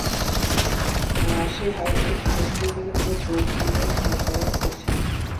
সেই হাইস্কুল থেকে তোর যৌন জীবন তদারক করেছি আমি।